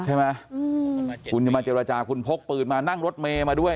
ใช่ไหมคุณจะมาเจรจาคุณพกปืนมานั่งรถเมย์มาด้วย